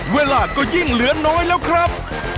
เวลาก็ยิ่งเหลือน้อยแล้วครับ